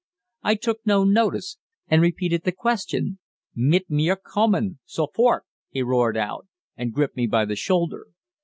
I took no notice, and repeated the question. "Mit mir kommen so fort," he roared out, and gripped me by the shoulder.